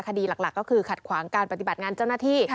คดีหลักก็คือขัดขวางการปฏิบัติงานเจ้าหน้าที่